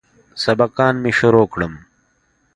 سبقان مې شروع کم.